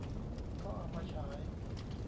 ก็เอามาฉาย